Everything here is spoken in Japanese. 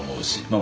あ